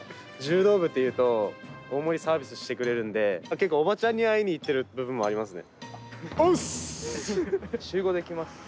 結構、おばちゃんに会いに行っている部分もありますね。